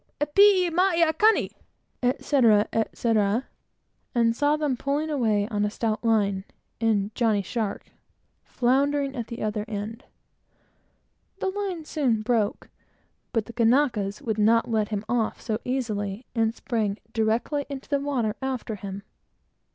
"E pii mai Aikane!" etc., etc.; and saw them pulling away on a stout line, and "Johnny Shark" floundering at the other end. The line soon broke; but the Kanakas would not let him off so easily, and sprang directly into the water after him.